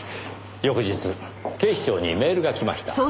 翌日警視庁にメールがきました。